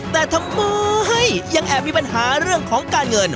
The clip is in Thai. แต่ทำไมยังแอบมีปัญหาเรื่องของการเงิน